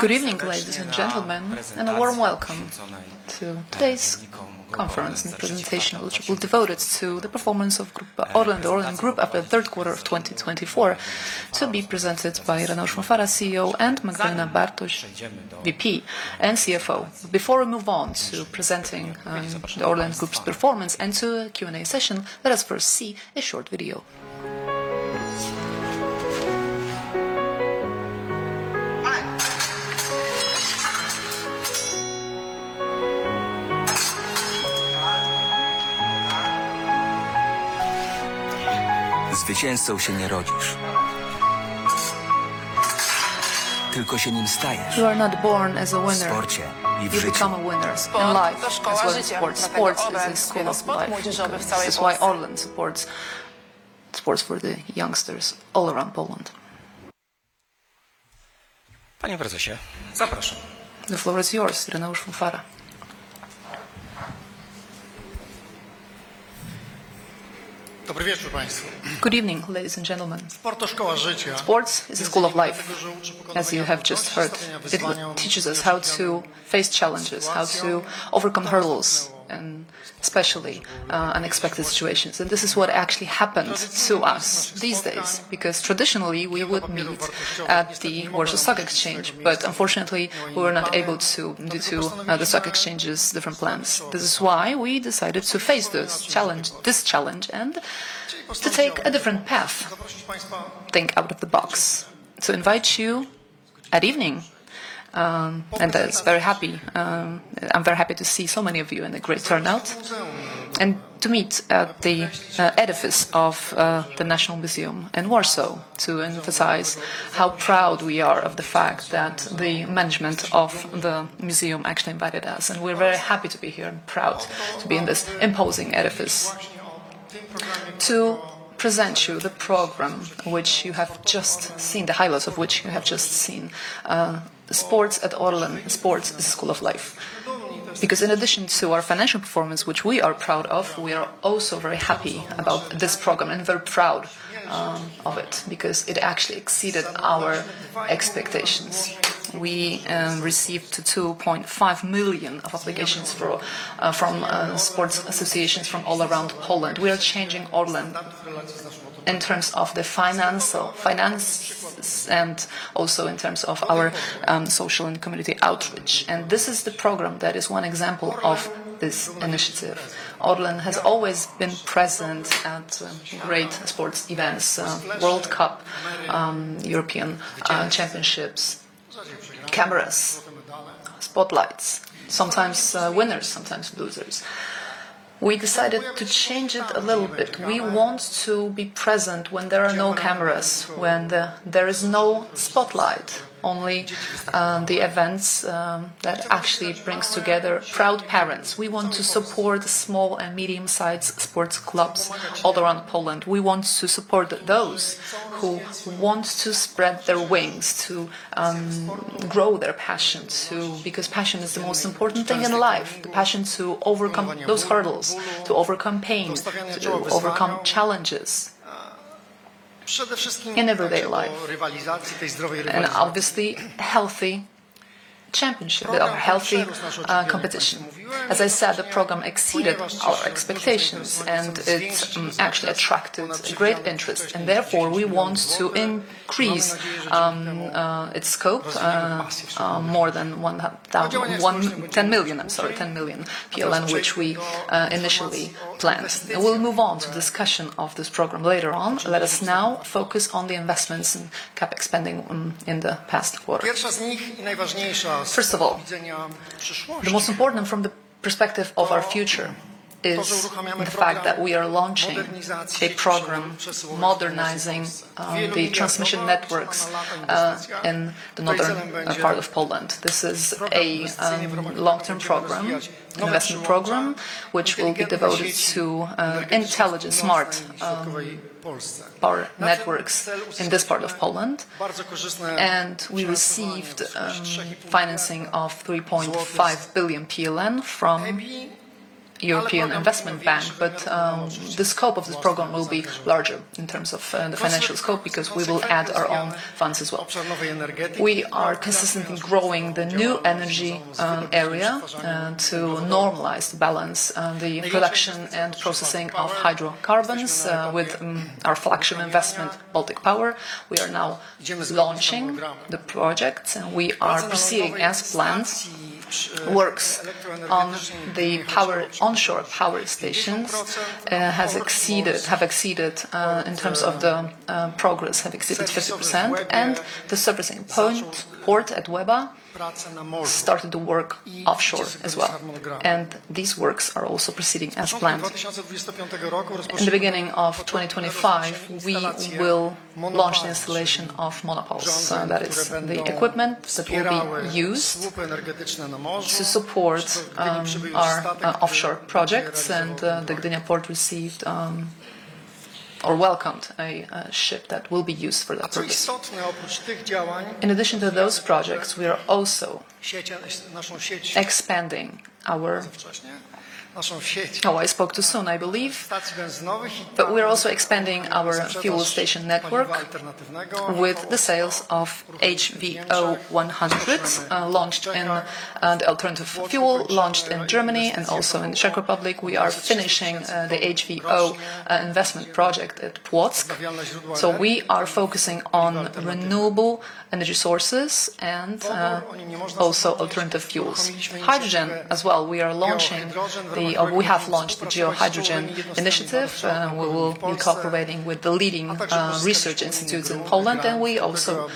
Good evening, ladies and gentlemen, and a warm welcome to today's conference and presentation which will be devoted to the performance of Orlen Konrad Włodarczyk group after the Q3 of 2024, to be presented by Ireneusz Fafara, CEO, and Magdalena Bartoś, VP and CFO. Before we move on to presenting the Orlen Konrad Włodarczyk performance and to a Q&A session, let us first see a short video. Zwycięzcą się nie rodzisz, tylko się nim stajesz. You are not born as a winner. W sporcie i w życiu. You become a winner in life, as well as in sports. Sports is the school of life. That's why Orlen supports sports for the youngsters all around Poland. Panie Prezesie, zapraszam. The floor is yours, Ireneusz Fafara. Dobry wieczór Państwu. Good evening, ladies and gentlemen. Sport to szkoła życia. Sports is the school of life, as you have just heard. It teaches us how to face challenges, how to overcome hurdles, and especially unexpected situations. This is what actually happened to us these days, because traditionally we would meet at the Warsaw Stock Exchange, but unfortunately we were not able to, due to the stock exchange's different plans. This is why we decided to face this challenge and to take a different path, think out of the box. To invite you that evening, and I'm very happy to see so many of you and a great turnout, and to meet at the edifice of the National Museum in Warsaw, to emphasize how proud we are of the fact that the management of the museum actually invited us. We're very happy to be here and proud to be in this imposing edifice to present you the program, which you have just seen, the highlights of which you have just seen. Sports at Orlen, sports is the school of life. Because in addition to our financial performance, which we are proud of, we are also very happy about this program and very proud of it, because it actually exceeded our expectations. We received 2.5 million applications from sports associations from all around Poland. We are changing Orlen in terms of the finances and also in terms of our social and community outreach. This is the program that is one example of this initiative. Orlen has always been present at great sports events: World Cup, European Championships, cameras, spotlights, sometimes winners, sometimes losers. We decided to change it a little bit. We want to be present when there are no cameras, when there is no spotlight, only the events that actually bring together proud parents. We want to support small and medium-sized sports clubs all around Poland. We want to support those who want to spread their wings, to grow their passions, because passion is the most important thing in life. The passion to overcome those hurdles, to overcome pain, to overcome challenges in everyday life, and obviously healthy championship, healthy competition. As I said, the program exceeded our expectations, and it actually attracted great interest. Therefore, we want to increase its scope more than 10 million, which we initially planned. We'll move on to the discussion of this program later on. Let us now focus on the investments and capex spending in the past quarter. First of all, the most important from the perspective of our future is the fact that we are launching a program modernizing the transmission networks in the northern part of Poland. This is a long-term program, investment program, which will be devoted to intelligent, smart power networks in this part of Poland. We received financing of 3.5 billion PLN from the European Investment Bank, but the scope of this program will be larger in terms of the financial scope, because we will add our own funds as well. We are consistently growing the new energy area to normalize the balance, the production and processing of hydrocarbons with our flagship investment, Baltic Power. We are now launching the projects, and we are proceeding as planned. Works on the onshore power stations have exceeded in terms of the progress, have exceeded 50%, and the surfacing port at Łeba started to work offshore as well. These works are also proceeding as planned. In the beginning of 2025, we will launch the installation of monopoles, that is, the equipment that will be used to support our offshore projects, and the Gdynia port received or welcomed a ship that will be used for that purpose. In addition to those projects, we are also expanding our fuel station network with the sales of HVO 100, launched in the alternative fuel launched in Germany and also in the Czech Republic. We are finishing the HVO investment project at Płock. We are focusing on renewable energy sources and also alternative fuels. Hydrogen as well. We are launching the—we have launched the geohydrogen initiative. We will be cooperating with the leading research institutes in Poland, and we also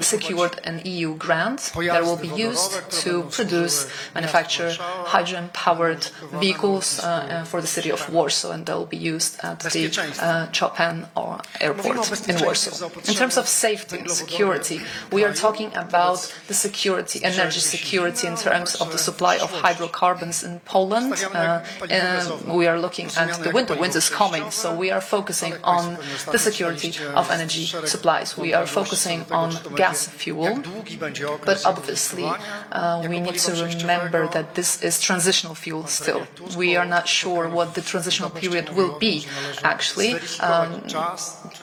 secured an EU grant that will be used to produce, manufacture hydrogen-powered vehicles for the city of Warsaw, and they'll be used at the Chopin Airport in Warsaw. In terms of safety and security, we are talking about the energy security in terms of the supply of hydrocarbons in Poland. We are looking at the winter. Winter is coming, so we are focusing on the security of energy supplies. We are focusing on gas fuel, but obviously we need to remember that this is transitional fuel still. We are not sure what the transitional period will be, actually.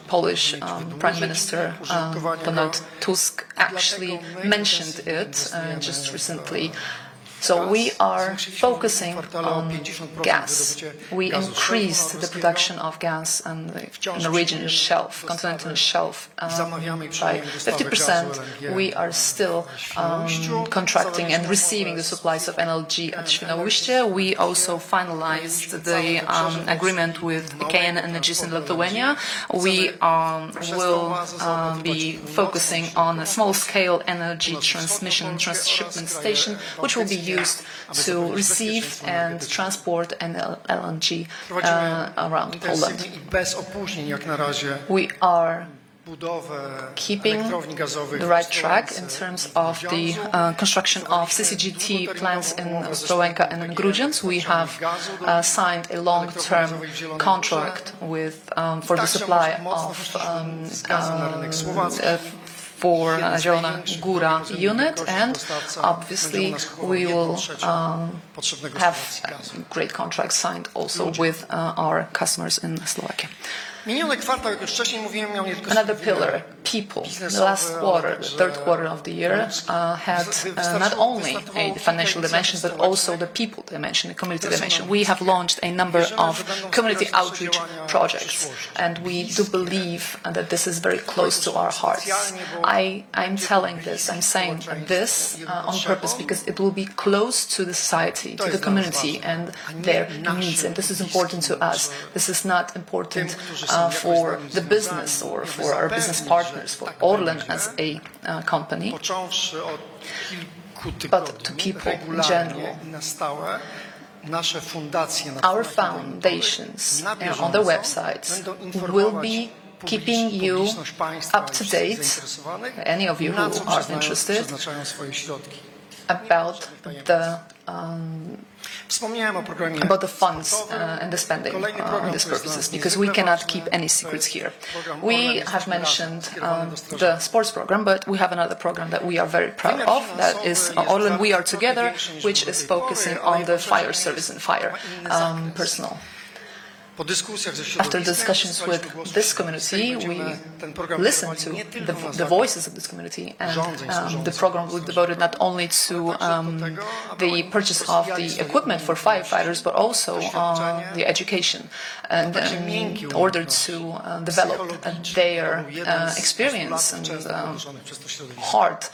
Polish Prime Minister Donald Tusk actually mentioned it just recently. We are focusing on gas. We increased the production of gas in the region itself, continent itself, by 50%. We are still contracting and receiving the supplies of LNG at Świnoujście. We also finalized the agreement with KN Energies in Lithuania. We will be focusing on a small-scale energy transmission and transshipment station, which will be used to receive and transport LNG around Poland. We are keeping the right track in terms of the construction of CCGT plants in Ostrołęka and Grudziądz. We have signed a long-term contract for the supply for Zielona Góra unit, and obviously we will have great contracts signed also with our customers in Slovakia. Another pillar, people. Last quarter, the Q3 of the year had not only a financial dimension, but also the people dimension, the community dimension. We have launched a number of community outreach projects, and we do believe that this is very close to our hearts. I'm telling this, I'm saying this on purpose, because it will be close to the society, to the community, and their needs, and this is important to us. This is not important for the business or for our business partners, for Orlen as a company, but to people in general. Our foundations and on their websites will be keeping you up to date, any of you who are interested, about the funds and the spending for these purposes, because we cannot keep any secrets here. We have mentioned the sports program, but we have another program that we are very proud of, that is Orlen We Are Together, which is focusing on the fire service and fire personnel. After discussions with this community, we listened to the voices of this community, and the program was devoted not only to the purchase of the equipment for firefighters, but also the education in order to develop their experience and hard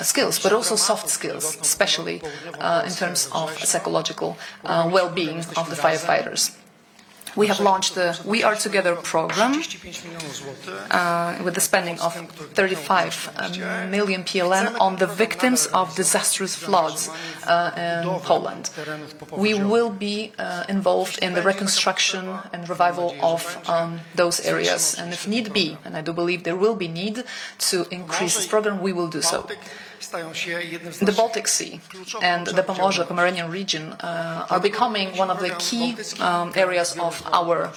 skills, but also soft skills, especially in terms of psychological well-being of the firefighters. We have launched the We Are Together program with the spending of 35 million PLN on the victims of disastrous floods in Poland. We will be involved in the reconstruction and revival of those areas, and if need be, and I do believe there will be a need to increase this program, we will do so. The Baltic Sea and the Pomorze Pomarańskie region are becoming one of the key areas of our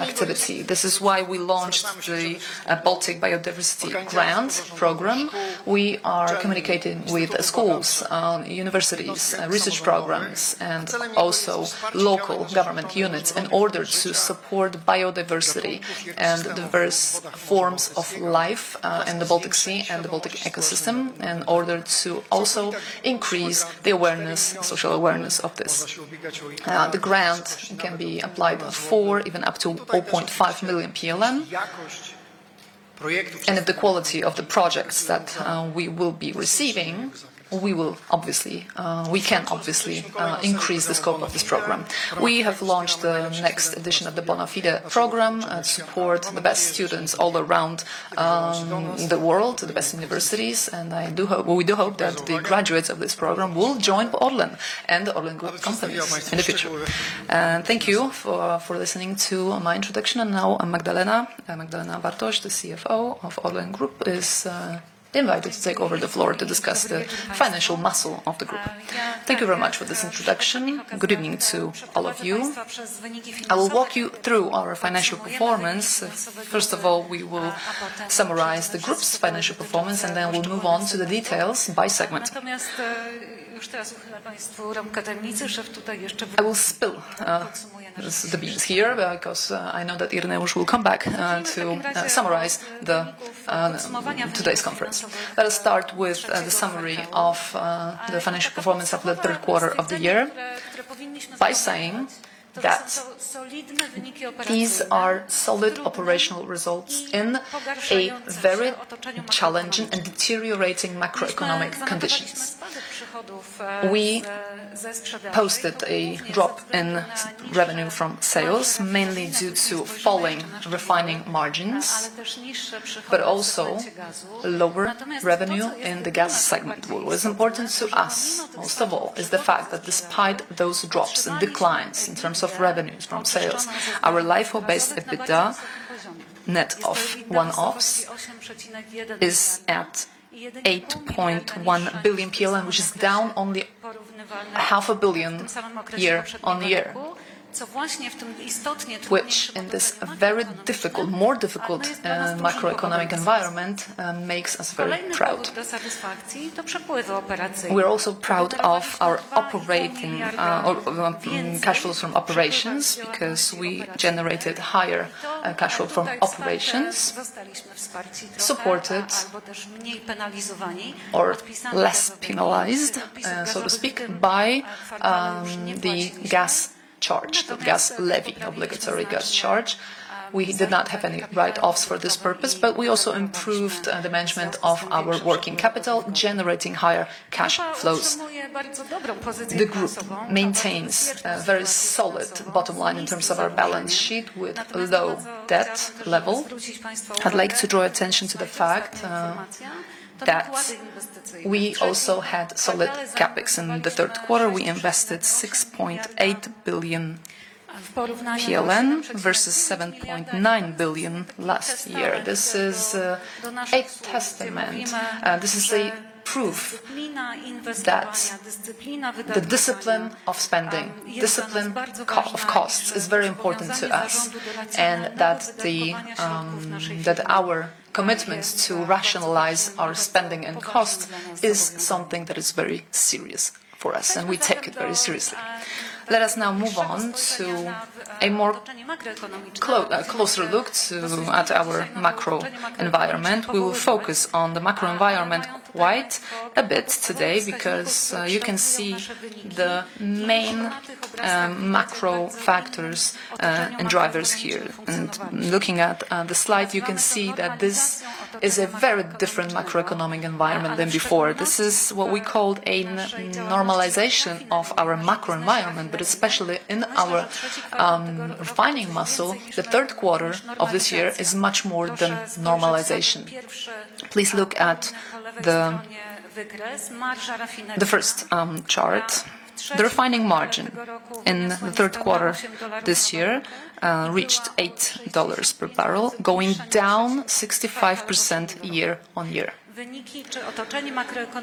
activity. This is why we launched the Baltic Biodiversity Grant program. We are communicating with schools, universities, research programs, and also local government units in order to support biodiversity and diverse forms of life in the Baltic Sea and the Baltic ecosystem, in order to also increase the awareness, social awareness of this. The grant can be applied for even up to 0.5 million, and if the quality of the projects that we will be receiving, we will obviously, we can obviously increase the scope of this program. We have launched the next edition of the Bonafide program to support the best students all around the world, the best universities, and I do hope, we do hope that the graduates of this program will join Orlen and Orlen Group companies in the future. Thank you for listening to my introduction, and now Magdalena Bartoś, the CFO of Orlen Group, is invited to take over the floor to discuss the financial muscle of the group. Thank you very much for this introduction. Good evening to all of you. I will walk you through our financial performance. First of all, we will summarize the group's financial performance, and then we'll move on to the details by segment. I will spill the beans here, because I know that Ireneusz will come back to summarize today's conference. Let us start with the summary of the financial performance of the Q3 of the year by saying that these are solid operational results in very challenging and deteriorating macroeconomic conditions. We posted a drop in revenue from sales, mainly due to falling refining margins, but also lower revenue in the gas segment. What was important to us most of all is the fact that despite those drops and declines in terms of revenues from sales, our live-hour-based EBITDA net of one-offs is at 8.1 billion PLN, which is down only half a billion year on year, which in this very difficult, more difficult macroeconomic environment makes us very proud. We are also proud of our operating cash flows from operations, because we generated higher cash flow from operations, supported or less penalized, so to speak, by the gas charge, the gas levy, obligatory gas charge. We did not have any write-offs for this purpose, but we also improved the management of our working capital, generating higher cash flows. The group maintains a very solid bottom line in terms of our balance sheet with a low debt level. I'd like to draw attention to the fact that we also had solid capex in the Q3. We invested 6.8 billion PLN versus 7.9 billion last year. This is a testament. This is proof that the discipline of spending, discipline of costs is very important to us, and that our commitment to rationalize our spending and costs is something that is very serious for us, and we take it very seriously. Let us now move on to a closer look at our macro environment. We will focus on the macro environment quite a bit today, because you can see the main macro factors and drivers here. Looking at the slide, you can see that this is a very different macroeconomic environment than before. This is what we called a normalization of our macro environment, but especially in our refining muscle, the Q3 of this year is much more than normalization. Please look at the first chart. The refining margin in the Q3 this year reached $8 per barrel, going down 65% year on year.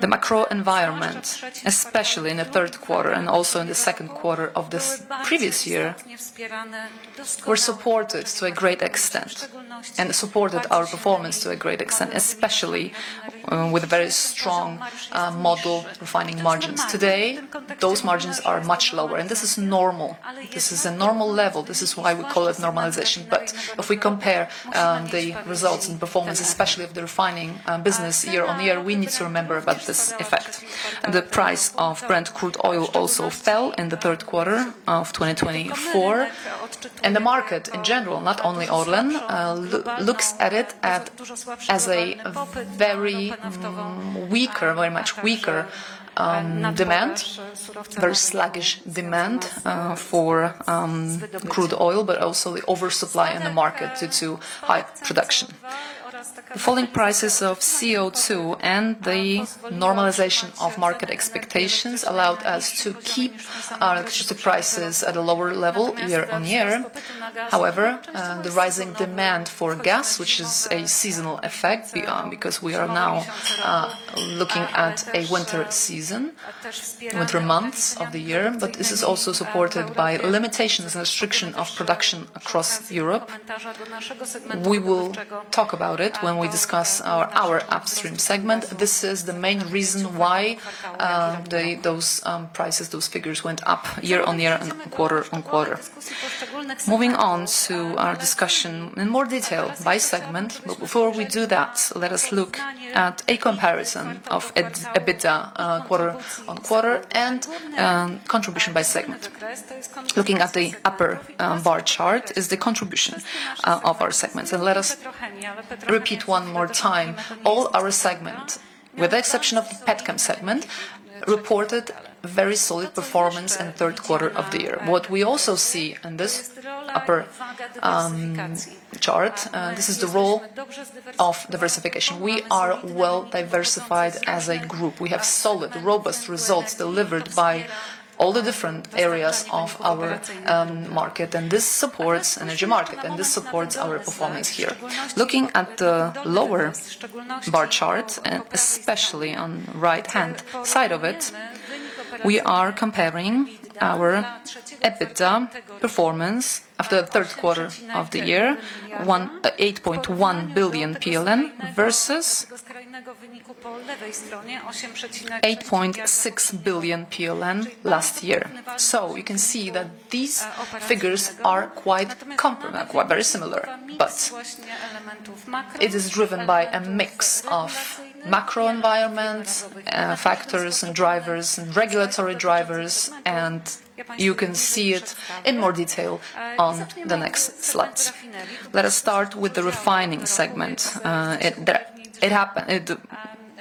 The macro environment, especially in the Q3 and also in the Q2 of this previous year, were supported to a great extent and supported our performance to a great extent, especially with very strong model refining margins. Today, those margins are much lower, and this is normal. This is a normal level. This is why we call it normalization. But if we compare the results and performance, especially of the refining business year on year, we need to remember about this effect. The price of Brent crude oil also fell in the Q3 of 2024, and the market in general, not only Orlen, looks at it as very weak, very much weaker demand, very sluggish demand for crude oil, but also the oversupply in the market due to high production. The falling prices of CO2 and the normalization of market expectations allowed us to keep our electricity prices at a lower level year on year. However, the rising demand for gas, which is a seasonal effect, because we are now looking at a winter season, winter months of the year, but this is also supported by limitations and restrictions of production across Europe. We will talk about it when we discuss our upstream segment. This is the main reason why those prices, those figures went up year on year and quarter on quarter. Moving on to our discussion in more detail by segment, but before we do that, let us look at a comparison of EBITDA quarter on quarter and contribution by segment. Looking at the upper bar chart is the contribution of our segments, and let us repeat one more time. All our segments, with the exception of the PetCam segment, reported very solid performance in the Q3 of the year. What we also see in this upper chart is the role of diversification. We are well diversified as a group. We have solid, robust results delivered by all the different areas of our market, and this supports our energy market, and this supports our performance here. Looking at the lower bar chart, especially on the right-hand side of it, we are comparing our EBITDA performance after the Q3 of the year, 8.1 billion PLN versus 8.6 billion PLN last year. You can see that these figures are quite comparable, very similar, but it is driven by a mix of macro environment factors and drivers and regulatory drivers, and you can see it in more detail on the next slides. Let us start with the refining segment.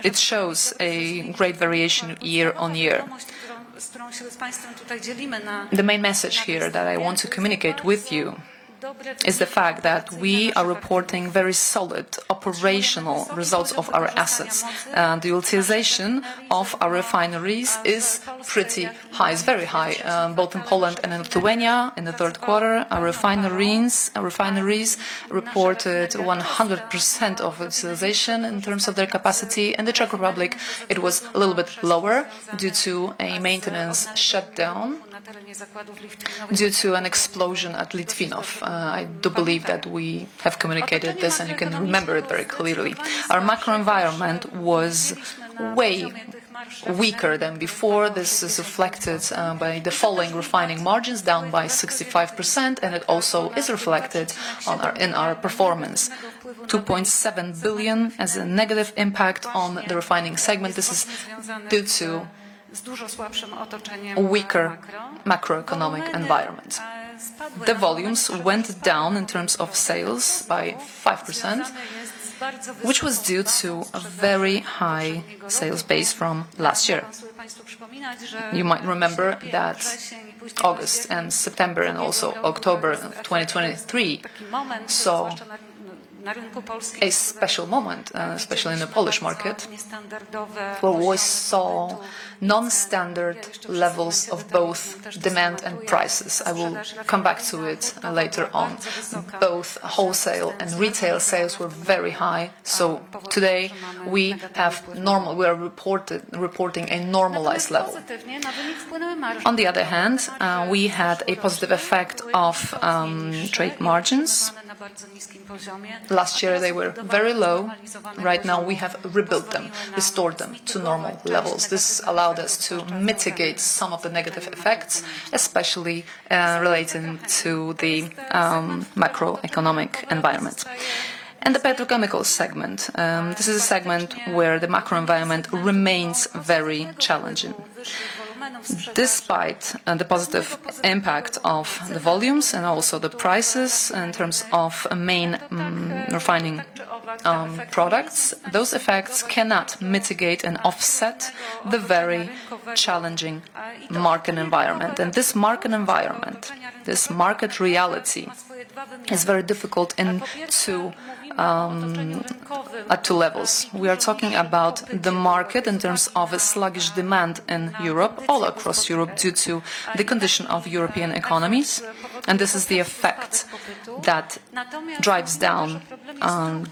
It shows a great variation year on year. The main message here that I want to communicate with you is the fact that we are reporting very solid operational results of our assets. The utilization of our refineries is pretty high, is very high, both in Poland and in Lithuania. In the Q3, our refineries reported 100% of utilization in terms of their capacity. In the Czech Republic, it was a little bit lower due to a maintenance shutdown due to an explosion at Litvinov. I do believe that we have communicated this, and you can remember it very clearly. Our macro environment was way weaker than before. This is reflected by the falling refining margins down by 65%, and it also is reflected in our performance, $2.7 billion as a negative impact on the refining segment. This is due to a weaker macroeconomic environment. The volumes went down in terms of sales by 5%, which was due to a very high sales base from last year. You might remember that August and September and also October 2023 saw a special moment, especially in the Polish market, where we saw non-standard levels of both demand and prices. I will come back to it later on. Both wholesale and retail sales were very high, so today we are reporting a normalized level. On the other hand, we had a positive effect of trade margins. Last year, they were very low. Right now, we have rebuilt them, restored them to normal levels. This allowed us to mitigate some of the negative effects, especially relating to the macroeconomic environment. The petrochemical segment, this is a segment where the macro environment remains very challenging. Despite the positive impact of the volumes and also the prices in terms of main refining products, those effects cannot mitigate and offset the very challenging market environment. This market environment, this market reality is very difficult to level. We are talking about the market in terms of a sluggish demand in Europe, all across Europe due to the condition of European economies, and this is the effect that drives down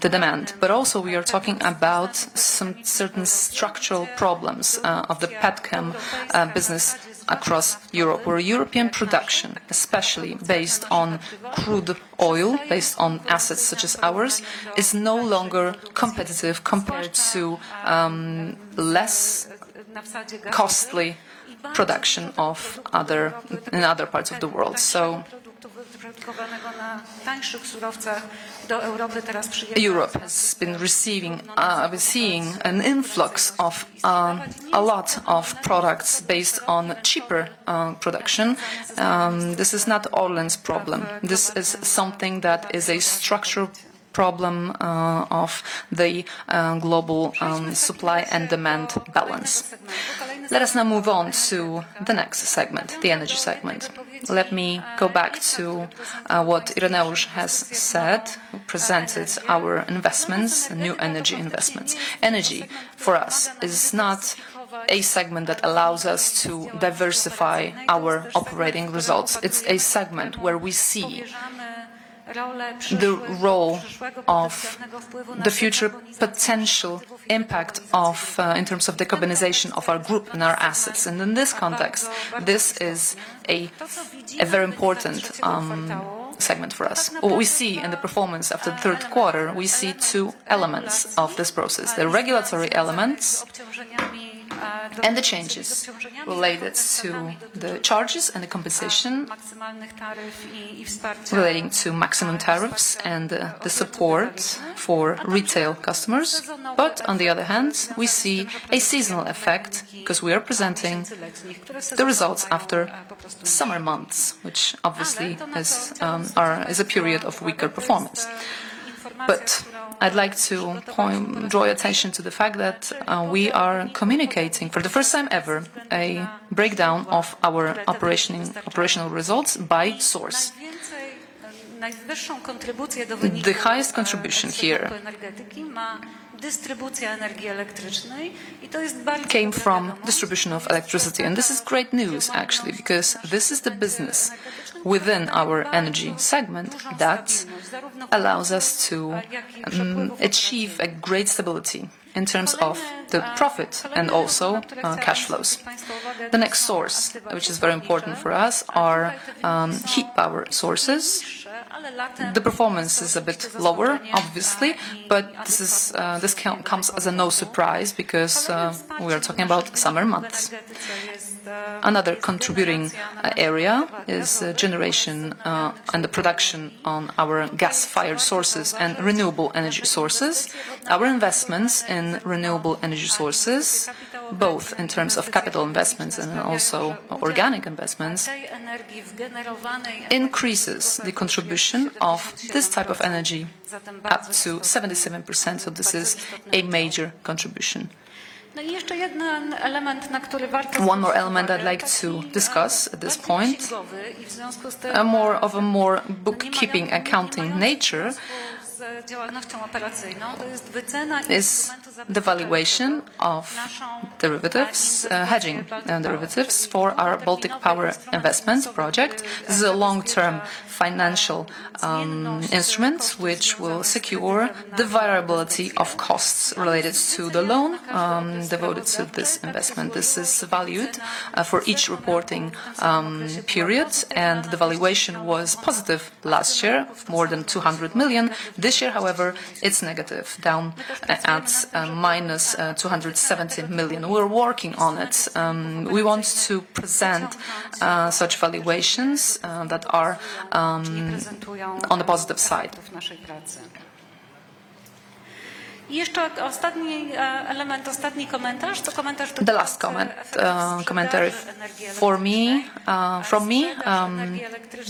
the demand. But also, we are talking about some certain structural problems of the petrochemical business across Europe, where European production, especially based on crude oil, based on assets such as ours, is no longer competitive compared to less costly production in other parts of the world. So Europe has been receiving, seeing an influx of a lot of products based on cheaper production. This is not Orlen's problem. This is something that is a structural problem of the global supply and demand balance. Let us now move on to the next segment, the energy segment. Let me go back to what Ireneusz has said, presented our investments, new energy investments. Energy for us is not a segment that allows us to diversify our operating results. It's a segment where we see the role of the future potential impact in terms of decarbonization of our group and our assets. In this context, this is a very important segment for us. What we see in the performance after the Q3, we see two elements of this process: the regulatory elements and the changes related to the charges and the compensation relating to maximum tariffs and the support for retail customers. On the other hand, we see a seasonal effect because we are presenting the results after summer months, which obviously is a period of weaker performance. I'd like to draw your attention to the fact that we are communicating for the first time ever a breakdown of our operational results by source. The highest contribution here came from distribution of electricity, and this is great news actually, because this is the business within our energy segment that allows us to achieve great stability in terms of the profit and also cash flows. The next source, which is very important for us, are heat power sources. The performance is a bit lower, obviously, but this comes as no surprise because we are talking about summer months. Another contributing area is generation and the production on our gas-fired sources and renewable energy sources. Our investments in renewable energy sources, both in terms of capital investments and also organic investments, increase the contribution of this type of energy up to 77%. This is a major contribution. One more element I'd like to discuss at this point, more of a bookkeeping, accounting nature, is the valuation of derivatives, hedging derivatives for our Baltic Power Investments project. This is a long-term financial instrument, which will secure the variability of costs related to the loan devoted to this investment. This is valued for each reporting period, and the valuation was positive last year, more than $200 million. This year, however, it's negative, down at minus $270 million. We're working on it. We want to present such valuations that are on the positive side. The last commentary for me, from me,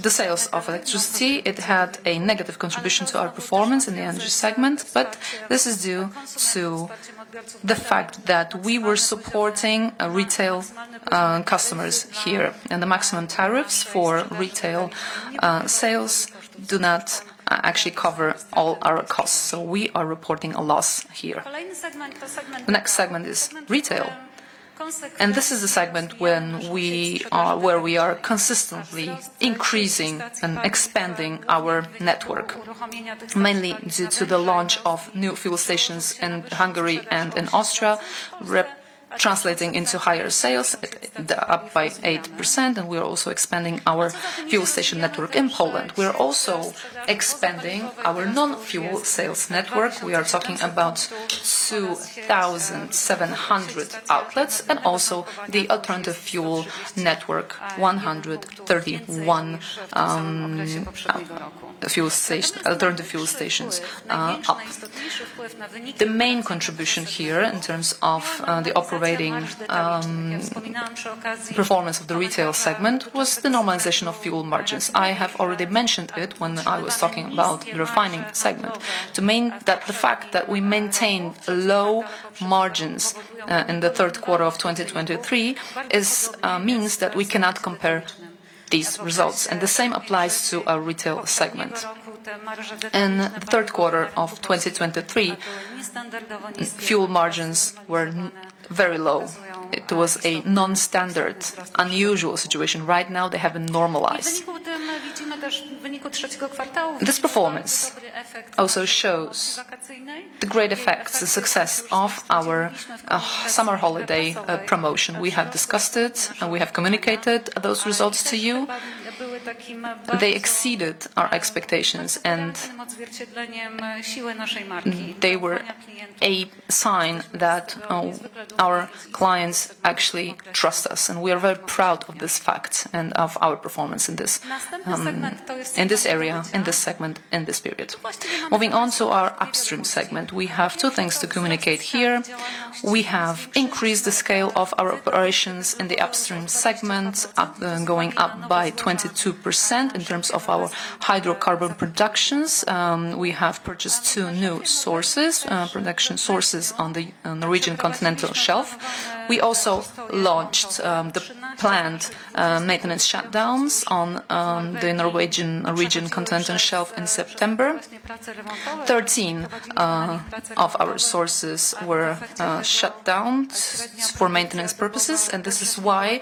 the sales of electricity, it had a negative contribution to our performance in the energy segment, but this is due to the fact that we were supporting retail customers here, and the maximum tariffs for retail sales do not actually cover all our costs. So we are reporting a loss here. The next segment is retail, and this is the segment where we are consistently increasing and expanding our network, mainly due to the launch of new fuel stations in Hungary and in Austria, translating into higher sales, up by 8%, and we are also expanding our fuel station network in Poland. We are also expanding our non-fuel sales network. We are talking about 2,700 outlets and also the alternative fuel network, 131 alternative fuel stations up. The main contribution here in terms of the operating performance of the retail segment was the normalization of fuel margins. I have already mentioned it when I was talking about the refining segment. The fact that we maintain low margins in the Q3 of 2023 means that we cannot compare these results, and the same applies to our retail segment. In the Q3 of 2023, fuel margins were very low. It was a non-standard, unusual situation. Right now, they have normalized. This performance also shows the great effects, the success of our summer holiday promotion. We have discussed it, and we have communicated those results to you. They exceeded our expectations, and they were a sign that our clients actually trust us, and we are very proud of this fact and of our performance in this area, in this segment, in this period. Moving on to our upstream segment, we have two things to communicate here. We have increased the scale of our operations in the upstream segment, going up by 22% in terms of our hydrocarbon productions. We have purchased two new production sources on the Norwegian continental shelf. We also launched the planned maintenance shutdowns on the Norwegian continental shelf in September 13 of our sources were shut down for maintenance purposes, and this is why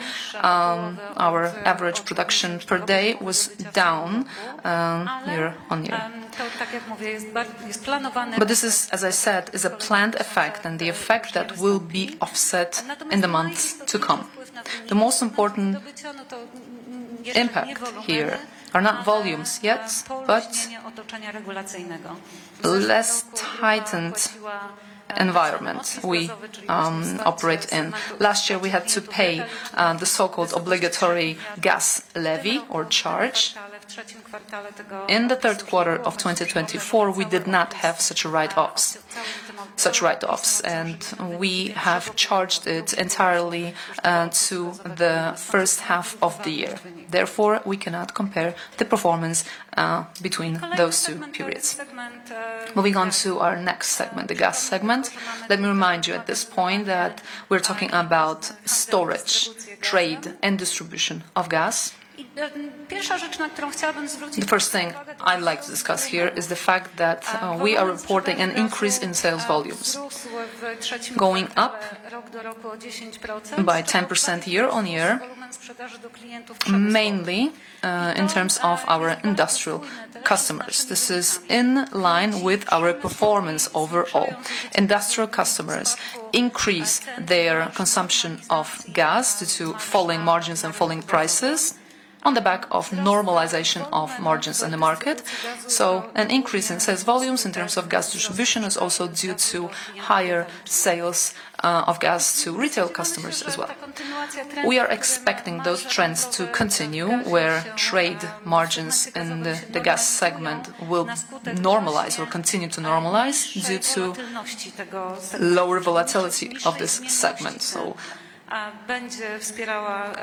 our average production per day was down year on year. But this is, as I said, a planned effect, and the effect that will be offset in the months to come. The most important impact here are not volumes yet, but a less tightened environment we operate in. Last year, we had to pay the so-called obligatory gas levy or charge. In the Q3 of 2024, we did not have such write-offs, and we have charged it entirely to the first half of the year. Therefore, we cannot compare the performance between those two periods. Moving on to our next segment, the gas segment, let me remind you at this point that we're talking about storage, trade, and distribution of gas. The first thing I'd like to discuss here is the fact that we are reporting an increase in sales volumes, going up by 10% year on year, mainly in terms of our industrial customers. This is in line with our performance overall. Industrial customers increase their consumption of gas due to falling margins and falling prices on the back of normalization of margins in the market. An increase in sales volumes in terms of gas distribution is also due to higher sales of gas to retail customers as well. We are expecting those trends to continue, where trade margins in the gas segment will normalize, will continue to normalize due to lower volatility of this segment,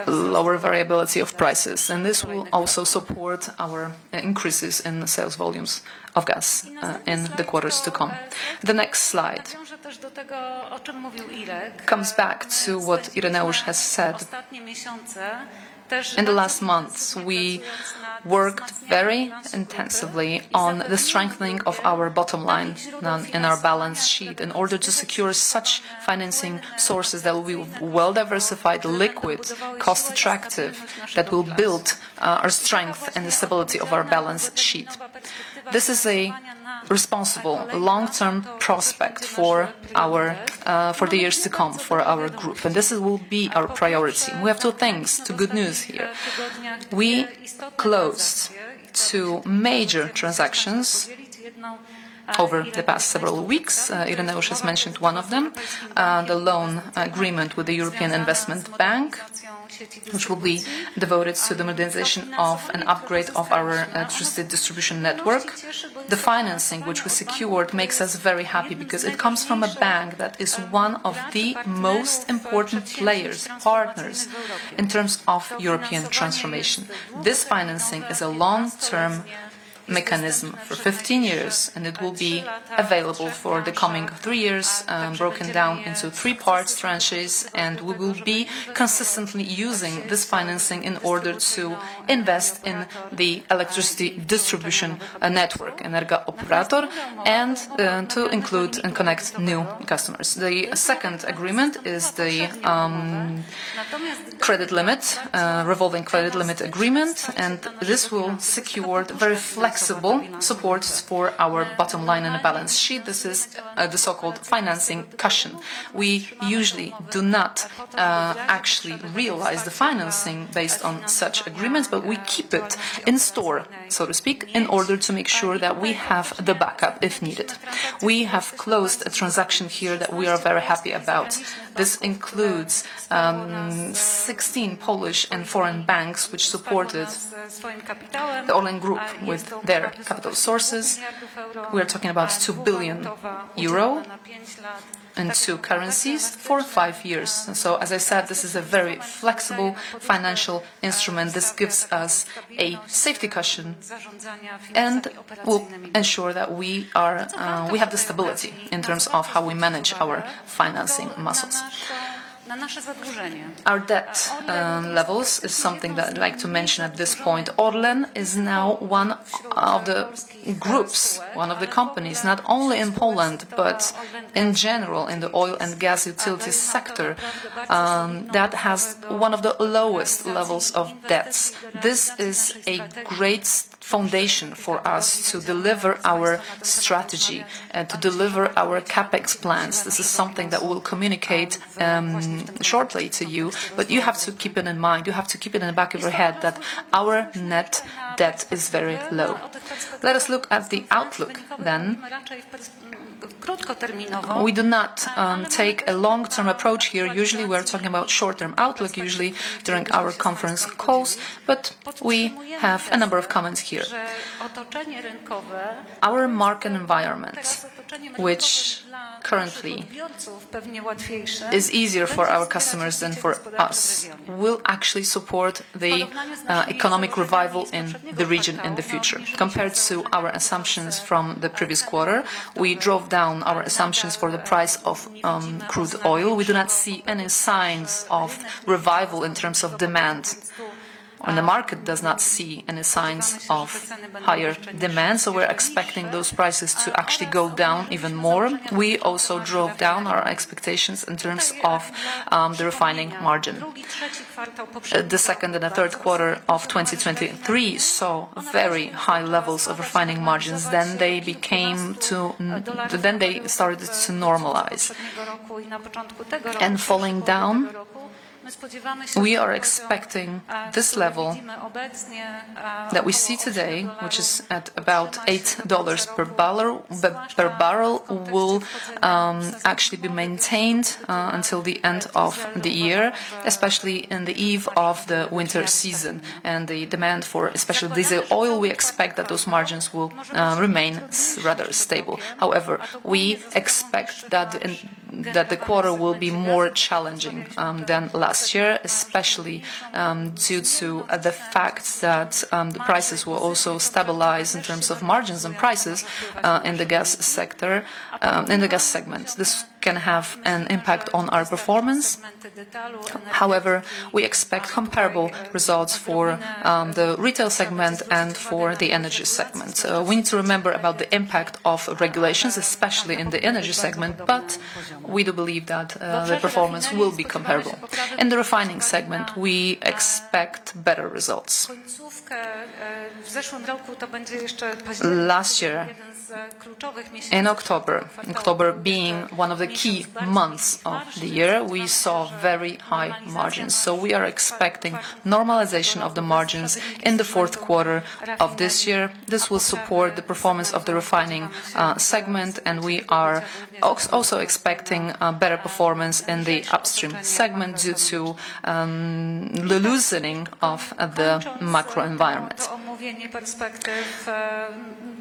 lower variability of prices, and this will also support our increases in sales volumes of gas in the quarters to come. The next slide comes back to what Ireneusz has said. In the last months, we worked very intensively on the strengthening of our bottom line in our balance sheet in order to secure such financing sources that will be well-diversified, liquid, cost-attractive, that will build our strength and the stability of our balance sheet. This is a responsible long-term prospect for the years to come for our group, and this will be our priority. We have two things, two good news here. We closed two major transactions over the past several weeks. Ireneusz has mentioned one of them, the loan agreement with the European Investment Bank, which will be devoted to the modernization of and upgrade of our electricity distribution network. The financing, which we secured, makes us very happy because it comes from a bank that is one of the most important players, partners in terms of European transformation. This financing is a long-term mechanism for 15 years, and it will be available for the coming three years, broken down into three parts, tranches, and we will be consistently using this financing in order to invest in the electricity distribution network, Energa Operator, and to include and connect new customers. The second agreement is the revolving credit limit agreement, and this will secure very flexible support for our bottom line and the balance sheet. This is the so-called financing cushion. We usually do not actually realize the financing based on such agreements, but we keep it in store, so to speak, in order to make sure that we have the backup if needed. We have closed a transaction here that we are very happy about. This includes 16 Polish and foreign banks, which supported the Orlen Group with their capital sources. We are talking about €2 billion in two currencies for five years. As I said, this is a very flexible financial instrument. This gives us a safety cushion and will ensure that we have the stability in terms of how we manage our financing muscles. Our debt levels is something that I'd like to mention at this point. Orlen is now one of the groups, one of the companies, not only in Poland, but in general in the oil and gas utility sector, that has one of the lowest levels of debts. This is a great foundation for us to deliver our strategy and to deliver our CapEx plans. This is something that we'll communicate shortly to you, but you have to keep it in mind. You have to keep it in the back of your head that our net debt is very low. Let us look at the outlook then. We do not take a long-term approach here. Usually, we are talking about short-term outlook, usually during our conference calls, but we have a number of comments here. Our market environment, which currently is easier for our customers than for us, will actually support the economic revival in the region in the future. Compared to our assumptions from the previous quarter, we drove down our assumptions for the price of crude oil. We do not see any signs of revival in terms of demand, and the market does not see any signs of higher demand. So we're expecting those prices to actually go down even more. We also drove down our expectations in terms of the refining margin. The second and the Q3 of 2023 saw very high levels of refining margins. They started to normalize, and falling down, we are expecting this level that we see today, which is at about $8 per barrel, will actually be maintained until the end of the year, especially in the eve of the winter season. The demand for, especially diesel oil, we expect that those margins will remain rather stable. However, we expect that the quarter will be more challenging than last year, especially due to the fact that the prices will also stabilize in terms of margins and prices in the gas sector, in the gas segment. This can have an impact on our performance. However, we expect comparable results for the retail segment and for the energy segment. We need to remember about the impact of regulations, especially in the energy segment, but we do believe that the performance will be comparable. In the refining segment, we expect better results. Last year, in October, being one of the key months of the year, we saw very high margins. We are expecting normalization of the margins in the Q4 of this year. This will support the performance of the refining segment, and we are also expecting better performance in the upstream segment due to the loosening of the macro environment.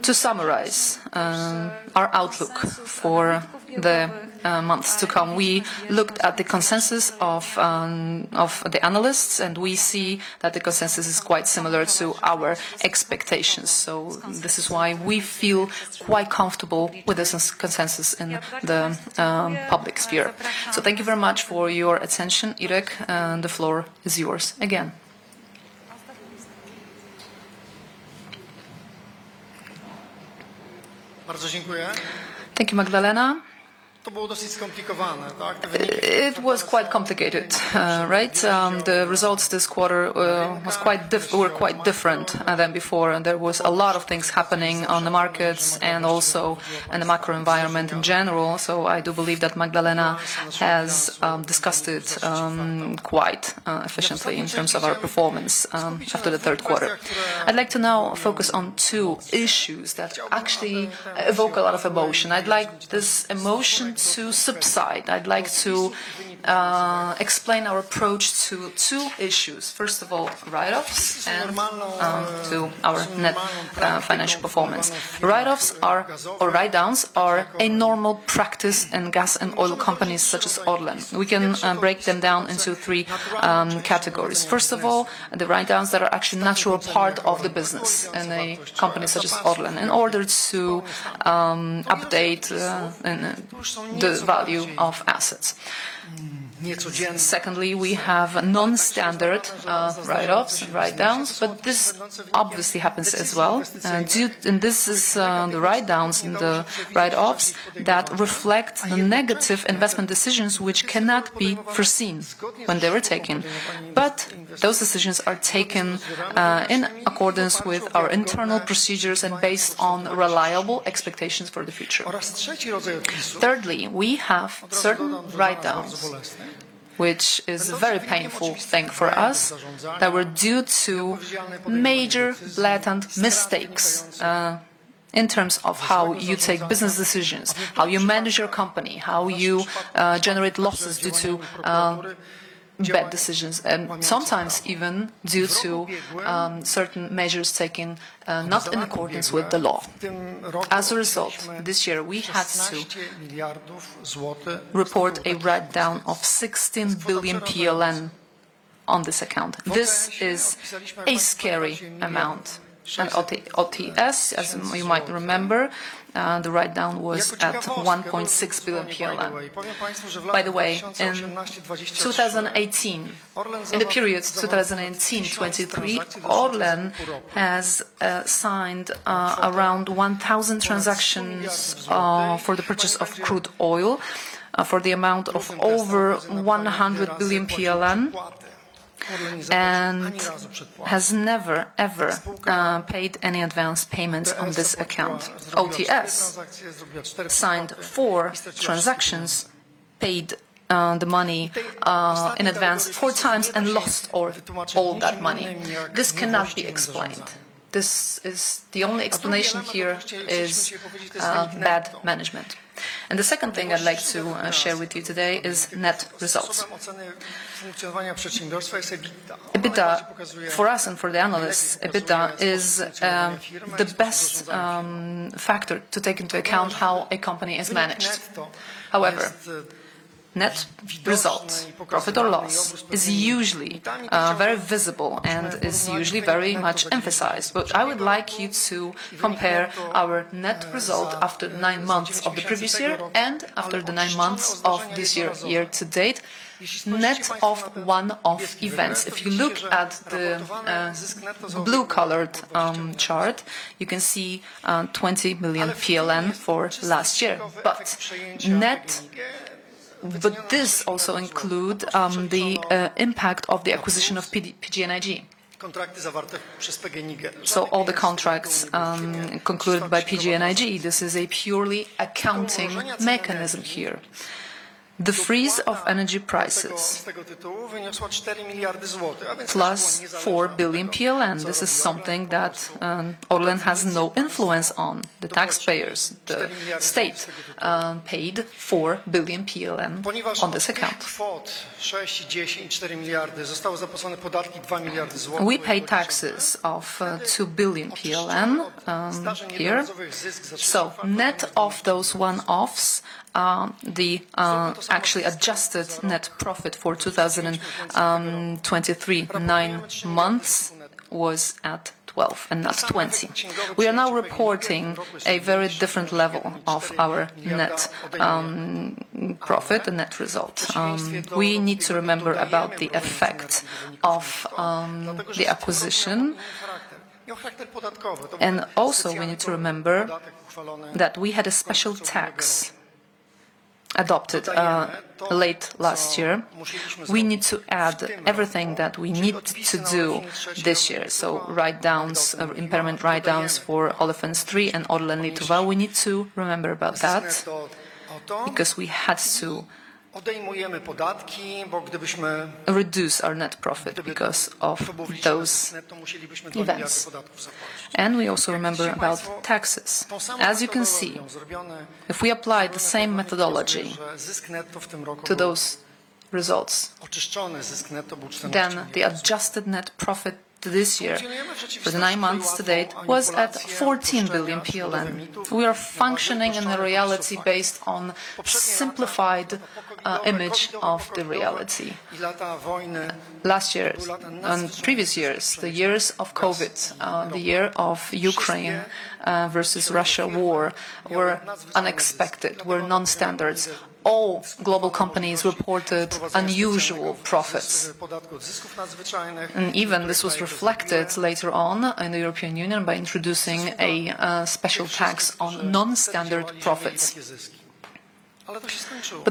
To summarize our outlook for the months to come, we looked at the consensus of the analysts, and we see that the consensus is quite similar to our expectations. This is why we feel quite comfortable with this consensus in the public sphere. Thank you very much for your attention, Irek. The floor is yours again. Thank you, Magdalena. To było dosyć skomplikowane, tak? It was quite complicated, right? The results this quarter were quite different than before. There were a lot of things happening on the markets and also in the macro environment in general. Magdalena has discussed it quite efficiently in terms of our performance after the Q3. I'd like to now focus on two issues that actually evoke a lot of emotion. I'd like this emotion to subside. I'd like to explain our approach to two issues. First of all, write-offs and to our net financial performance. Write-offs or write-downs are a normal practice in gas and oil companies such as Orlen. We can break them down into three categories. First of all, the write-downs that are actually a natural part of the business in a company such as Orlen in order to update the value of assets. Secondly, we have non-standard write-offs and write-downs, but this obviously happens as well. This is the write-downs and the write-offs that reflect the negative investment decisions, which cannot be foreseen when they were taken. But those decisions are taken in accordance with our internal procedures and based on reliable expectations for the future. Thirdly, we have certain write-downs, which is a very painful thing for us, that were due to major blatant mistakes in terms of how you take business decisions, how you manage your company, how you generate losses due to bad decisions, and sometimes even due to certain measures taken not in accordance with the law. As a result, this year, we had to report a write-down of 16 billion PLN on this account. This is a scary amount. OTS, as you might remember, the write-down was at 1.6 billion PLN. By the way, in 2018, in the period 2018-23, Orlen has signed around 1,000 transactions for the purchase of crude oil for the amount of over 100 billion PLN and has never, ever paid any advance payments on this account. OTS signed four transactions, paid the money in advance four times, and lost all that money. This cannot be explained. The only explanation here is bad management. The second thing I'd like to share with you today is net results. EBITDA for us and for the analysts, EBITDA is the best factor to take into account how a company is managed. However, net result, profit or loss, is usually very visible and is usually very much emphasized. I would like you to compare our net result after nine months of the previous year and after the nine months of this year to date, net of one-off events. If you look at the blue-colored chart, you can see 20 million PLN for last year. But this also includes the impact of the acquisition of PG&IG. So all the contracts concluded by PG&IG, this is a purely accounting mechanism here. The freeze of energy prices plus 4 billion PLN, this is something that Orlen has no influence on. The taxpayers, the state paid 4 billion PLN on this account. We pay taxes of 2 billion PLN here. Net of those one-offs, the actually adjusted net profit for 2023 nine months was at 12. Not 20. We are now reporting a very different level of our net profit, the net result. We need to remember about the effect of the acquisition. Also, we need to remember that we had a special tax adopted late last year. We need to add everything that we need to do this year. So write-downs, impairment write-downs for Oliphant 3 and Orlen Litowa. We need to remember about that because we had to reduce our net profit because of those events. We also remember about taxes. As you can see, if we apply the same methodology to those results, then the adjusted net profit this year for the nine months to date was at 14 billion PLN. We are functioning in a reality based on a simplified image of the reality. Last year and previous years, the years of COVID, the year of Ukraine versus Russia war were unexpected, were non-standard. All global companies reported unusual profits. Even this was reflected later on in the European Union by introducing a special tax on non-standard profits.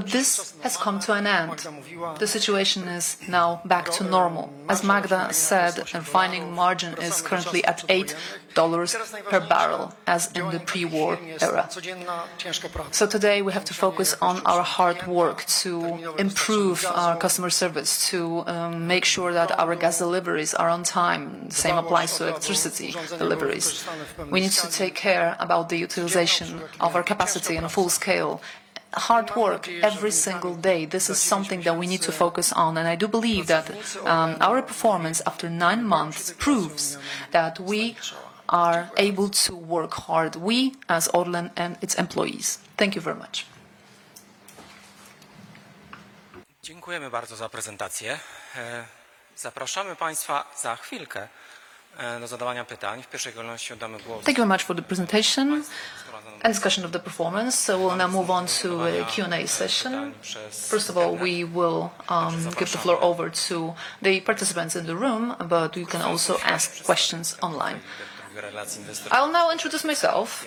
This has come to an end. The situation is now back to normal. As Magda said, the refining margin is currently at $8 per barrel, as in the pre-war era. So today, we have to focus on our hard work to improve our customer service, to make sure that our gas deliveries are on time. The same applies to electricity deliveries. We need to take care about the utilization of our capacity on a full scale. Hard work every single day. This is something that we need to focus on. I do believe that our performance after nine months proves that we are able to work hard, we as Orlen and its employees. Thank you very much. Dziękujemy bardzo za prezentację. Zapraszamy Państwa za chwilkę do zadawania pytań. Wpierwszej kolejności oddamy głos. Thank you very much for the presentation and discussion of the performance. We'll now move on to the Q&A session. First of all, we will give the floor over to the participants in the room, but you can also ask questions online. I'll now introduce myself,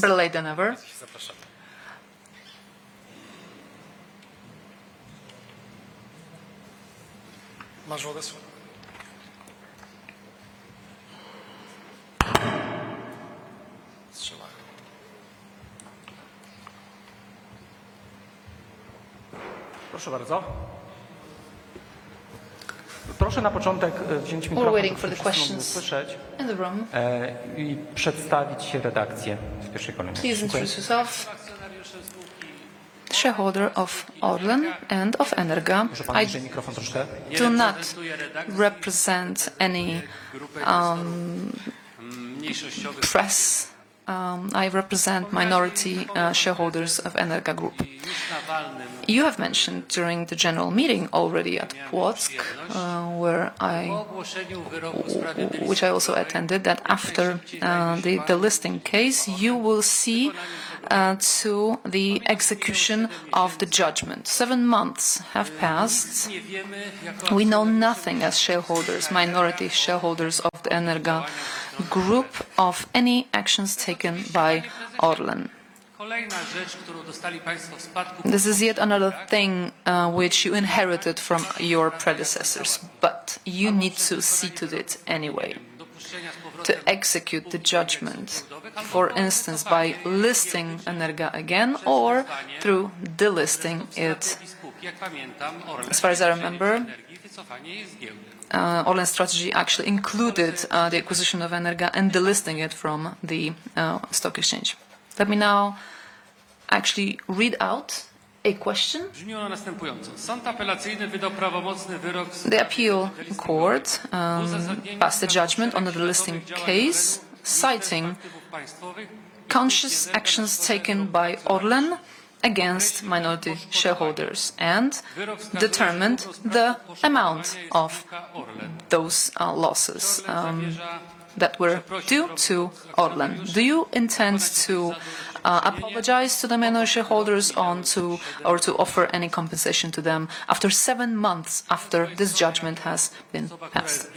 Brelek Deneber. Please go ahead. Please take the microphone first and be heard. Introduce yourself to the editorial team first. These include shareholders of Orlen and of Energa. Do not represent any press. I represent minority shareholders of Energa Group. You have mentioned during the general meeting already at Płock, which I also attended, that after the listing case, you will see to the execution of the judgment. Seven months have passed. We know nothing as shareholders, minority shareholders of the Energa Group, of any actions taken by Orlen. This is yet another thing which you inherited from your predecessors, but you need to see to it anyway to execute the judgment, for instance, by listing Energa again or through delisting it. As far as I remember, Orlen's strategy actually included the acquisition of Energa and delisting it from the stock exchange. Let me now actually read out a question. The appeal court passed a judgment on the delisting case, citing conscious actions taken by Orlen against minority shareholders and determined the amount of those losses that were due to Orlen. Do you intend to apologize to the minority shareholders or to offer any compensation to them after seven months after this judgment has been passed?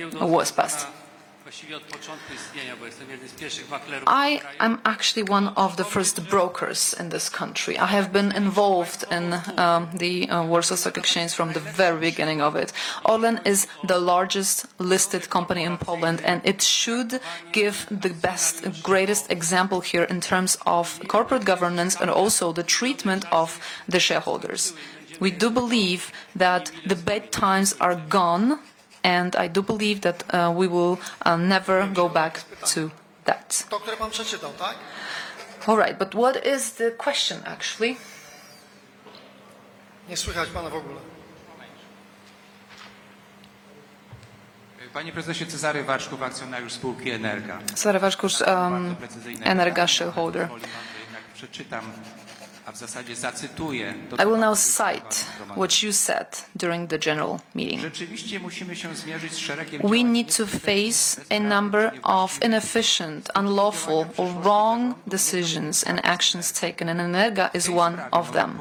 I am actually one of the first brokers in this country. I have been involved in the Warsaw Stock Exchange from the very beginning of it. Orlen is the largest listed company in Poland, and it should give the best, greatest example here in terms of corporate governance and also the treatment of the shareholders. We do believe that the bad times are gone, and I do believe that we will never go back to that. All right, but what is the question actually? Nie słychać Pana w ogóle. Panie Prezesie, Cezary Waczków, akcjonariusz spółki Energa. Cezary Waczkus, Energa shareholder. Przeczytam, a w zasadzie zacytuję. I will now cite what you said during the general meeting. Rzeczywiście musimy się zmierzyć z szeregiem. We need to face a number of inefficient, unlawful, or wrong decisions and actions taken, and Energa is one of them.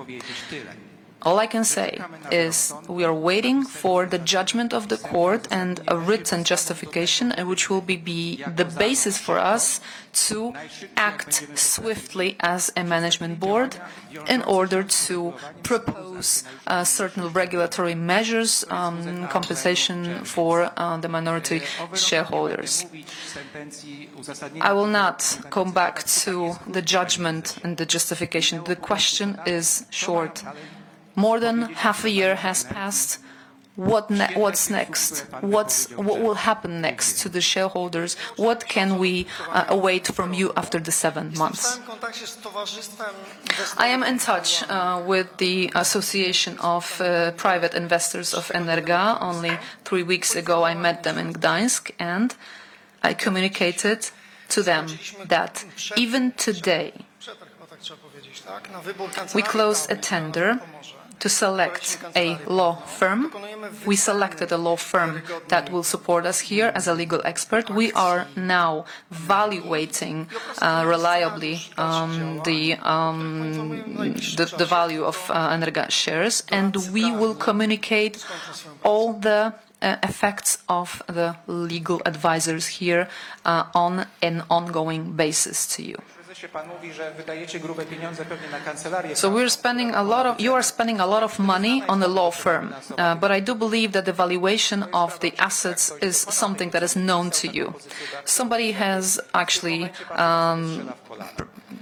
All I can say is we are waiting for the judgment of the court and a written justification, which will be the basis for us to act swiftly as a management board in order to propose certain regulatory measures, compensation for the minority shareholders. I will not come back to the judgment and the justification. The question is short. More than half a year has passed. What's next? What will happen next to the shareholders? What can we await from you after the seven months? I am in touch with the Association of Private Investors of Energa. Only three weeks ago, I met them in Gdańsk, and I communicated to them that even today we closed a tender to select a law firm. We selected a law firm that will support us here as a legal expert. We are now valuating reliably the value of Energa shares, and we will communicate all the effects of the legal advisors here on an ongoing basis to you. You are spending a lot of money on the law firm, but I believe that the valuation of the assets is something that is known to you. Somebody has actually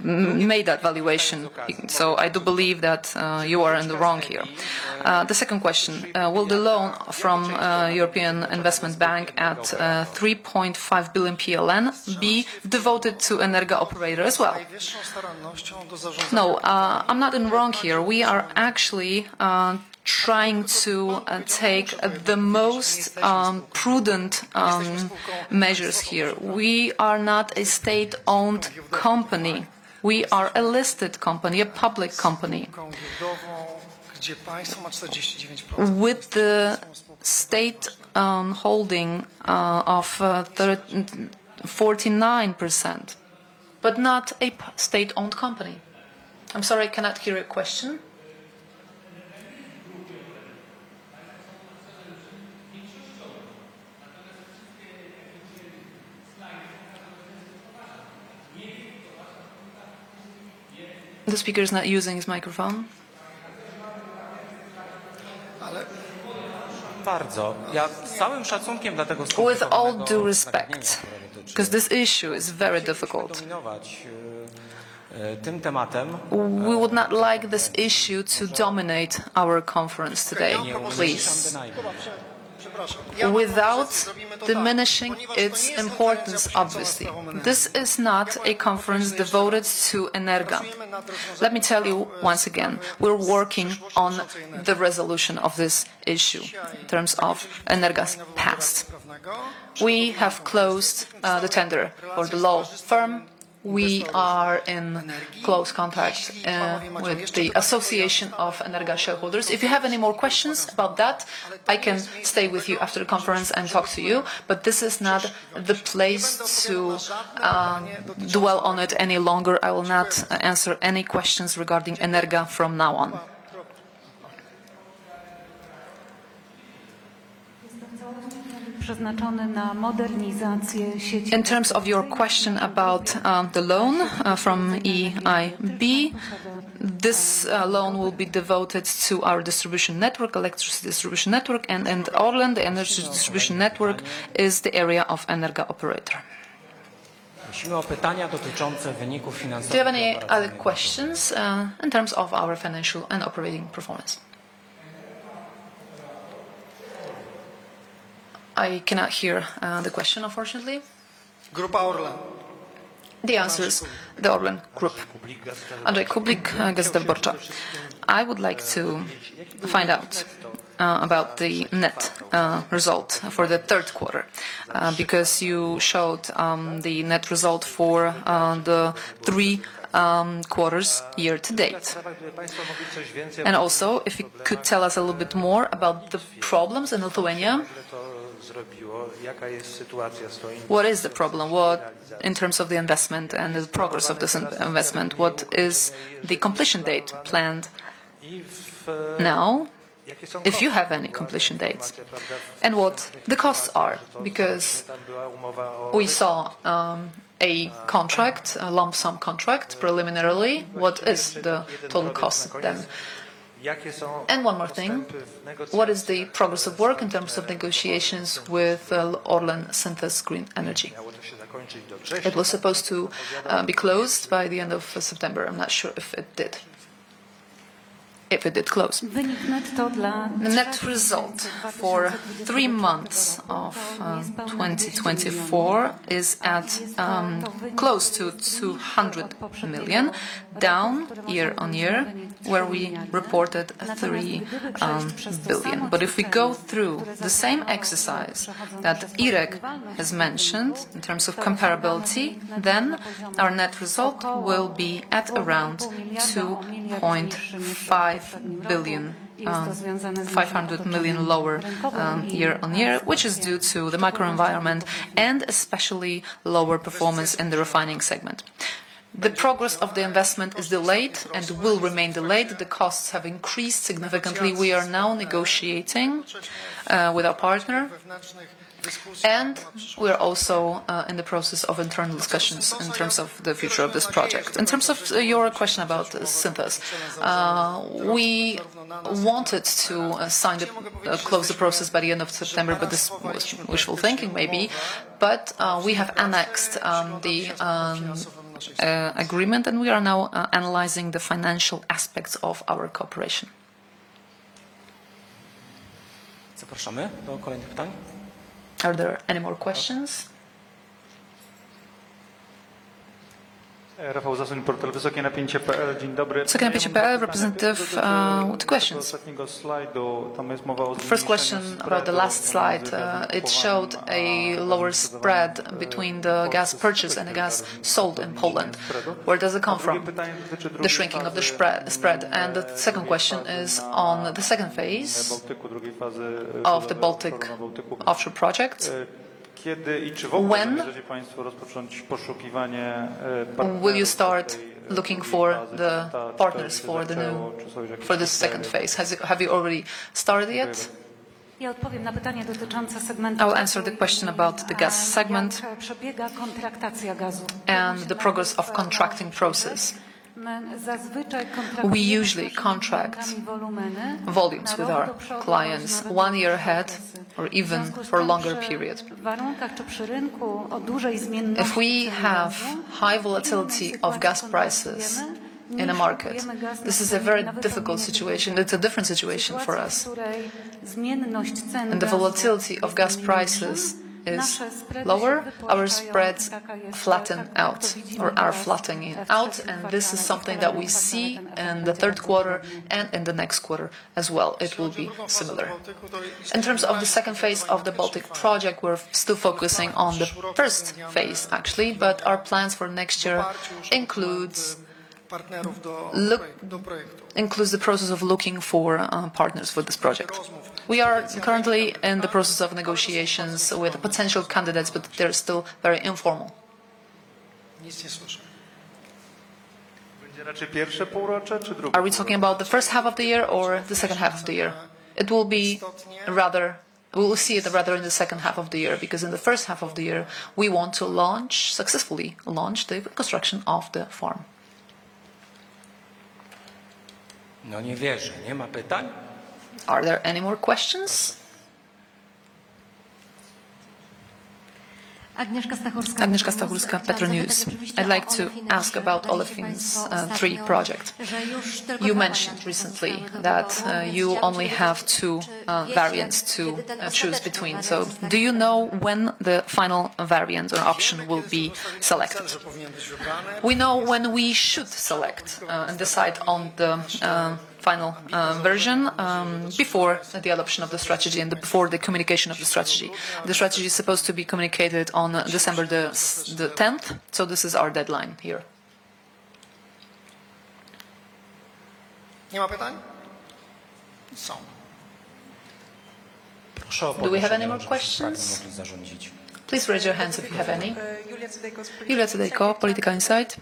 made that valuation, so I do believe that you are in the wrong here. The second question: will the loan from European Investment Bank at 3.5 billion PLN be devoted to Energa operators as well? No, I'm not in the wrong here. We are actually trying to take the most prudent measures here. We are not a state-owned company. We are a listed company, a public company, with the state holding of 49%, but not a state-owned company. I'm sorry, I cannot hear your question. The speaker is not using his microphone. Bardzo. Ja z całym szacunkiem dla tego spotkania. With all due respect, because this issue is very difficult. We would not like this issue to dominate our conference today, please. Without diminishing its importance, obviously. This is not a conference devoted to Energa. Let me tell you once again, we are working on the resolution of this issue in terms of Energa's past. We have closed the tender for the law firm. We are in close contact with the Association of Energa shareholders. If you have any more questions about that, I can stay with you after the conference and talk to you, but this is not the place to dwell on it any longer. I will not answer any questions regarding Energa from now on. Przeznaczony na modernizację sieci. In terms of your question about the loan from EIB, this loan will be devoted to our distribution network, electricity distribution network, and Orlen, the energy distribution network is the area of Energa operator. Do you have any other questions in terms of our financial and operating performance? I cannot hear the question, unfortunately. The answer is the Orlen Group. Andrzej Kublik, Gestalt Borczak. I would like to find out about the net result for the Q3 because you showed the net result for the three quarters year to date. And also, if you could tell us a little bit more about the problems in Lithuania. What is the problem in terms of the investment and the progress of this investment? What is the completion date planned now, if you have any completion dates, and what the costs are? Because we saw a contract, a lump sum contract preliminarily. What is the total cost then? And one more thing, what is the progress of work in terms of negotiations with Orlen Synthes Green Energy? It was supposed to be closed by the end of September. I'm not sure if it did, if it did close. Net result for three months of 2024 is close to $200 million, down year on year where we reported $3 billion. But if we go through the same exercise that Irek has mentioned in terms of comparability, then our net result will be at around $2.5 billion, $500 million lower year on year, which is due to the macro environment and especially lower performance in the refining segment. The progress of the investment is delayed and will remain delayed. The costs have increased significantly. We are now negotiating with our partner, and we are also in the process of internal discussions in terms of the future of this project. In terms of your question about Synthes, we wanted to sign the close of the process by the end of September, but this was wishful thinking maybe. But we have annexed the agreement, and we are now analyzing the financial aspects of our cooperation. Zapraszamy do kolejnych pytań. Are there any more questions? Rafał Zasuń, portal wysokienapięcie.pl, dzień dobry. Wysokienapięcie.pl representative, what questions? Do tam jest mowa o. First question about the last slide. It showed a lower spread between the gas purchase and the gas sold in Poland. Where does it come from? The shrinking of the spread. The second question is on the second phase of the Baltic offshore project. Kiedy i czy w ogóle będziecie Państwo rozpocząć poszukiwanie partnerów? Will you start looking for the partners for this second phase? Have you already started yet? Ja odpowiem na pytanie dotyczące segmentu. I'll answer the question about the gas segment and the progress of contracting process. We usually contract volumes with our clients one year ahead or even for a longer period. If we have high volatility of gas prices in a market, this is a very difficult situation. It's a different situation for us. When the volatility of gas prices is lower, our spreads flatten out or are flattening out, and this is something that we see in the Q3 and in the next quarter as well. It will be similar. In terms of the second phase of the Baltic project, we're still focusing on the first phase actually, but our plans for next year include the process of looking for partners for this project. We are currently in the process of negotiations with potential candidates, but they're still very informal. Are we talking about the first half of the year or the second half of the year? It will be rather, we will see it rather in the second half of the year because in the first half of the year we want to launch successfully launch the construction of the farm. No nie wierzę, nie ma pytań? Are there any more questions? Agnieszka Stachurska, Petronews. I'd like to ask about Olefin's three projects. You mentioned recently that you only have two variants to choose between. So do you know when the final variant or option will be selected? We know when we should select and decide on the final version before the adoption of the strategy and before the communication of the strategy. The strategy is supposed to be communicated on December the 10th, so this is our deadline here. Nie ma pytań? Do we have any more questions? Please raise your hands if you have any. Julia Cydejko, Political Insight.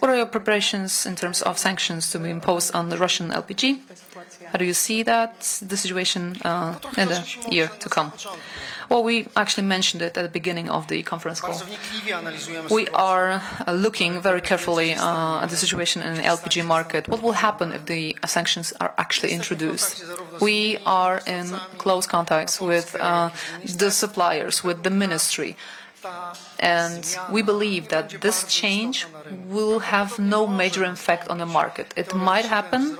What are your preparations in terms of sanctions to be imposed on the Russian LPG? How do you see that the situation in the year to come? We actually mentioned it at the beginning of the conference call. We are looking very carefully at the situation in the LPG market. What will happen if the sanctions are actually introduced? We are in close contacts with the suppliers, with the ministry, and we believe that this change will have no major impact on the market. It might happen,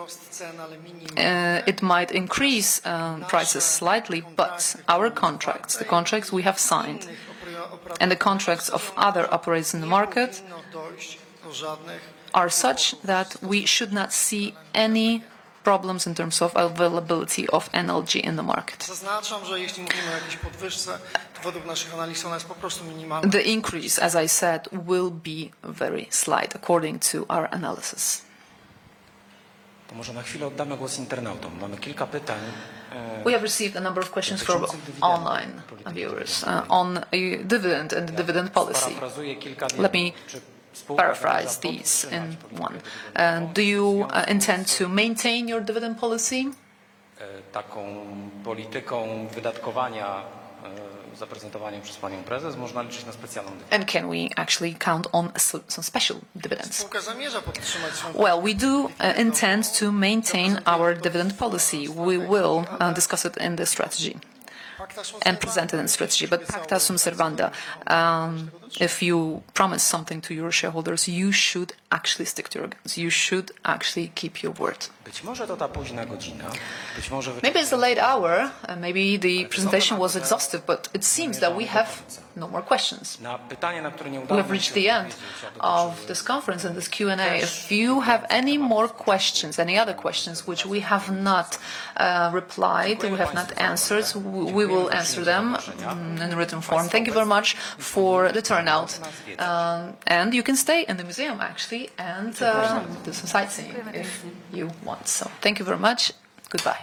it might increase prices slightly, but our contracts, the contracts we have signed and the contracts of other operators in the market are such that we should not see any problems in terms of availability of LPG in the market. I emphasize that if we are talking about any price increase, according to our analyses it is simply minimal. The increase, as I said, will be very slight according to our analysis. To może na chwilę oddamy głos internautom. Mamy kilka pytań. We have received a number of questions from online viewers on dividend and dividend policy. Let me paraphrase these in one. Do you intend to maintain your dividend policy? Taką polityką wydatkowania zaprezentowaną przez Panią Prezes można liczyć na specjalną dywidendę. And can we actually count on some special dividends? We do intend to maintain our dividend policy. We will discuss it in the strategy and present it in the strategy. Pacta sunt servanda. If you promise something to your shareholders, you should actually stick to your words. You should actually keep your word. Być może to ta późna godzina. It's the late hour. The presentation was exhaustive, but it seems that we have no more questions. Na pytanie, na które nie udało się odpowiedzieć. We've reached the end of this conference and this Q&A. If you have any more questions, any other questions which we have not replied to, we have not answered, we will answer them in written form. Thank you very much for the turnout, and you can stay in the museum actually and the society if you want. Thank you very much. Goodbye.